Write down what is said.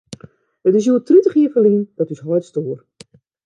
It is hjoed tritich jier ferlyn dat ús heit stoar.